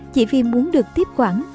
chỉ vì muốn được tiếp quản